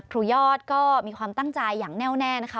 ยอดก็มีความตั้งใจอย่างแน่วแน่นะคะ